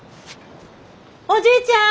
おじいちゃん！